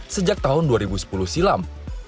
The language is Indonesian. sejak tahun dua ribu sepuluh silam